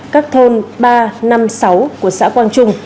các thôn ba năm sáu của xã quang trung